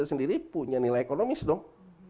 sendiri punya nilai ekonomis dong